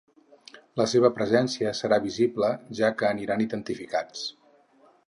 La seva presència serà visible ja que aniran identificats.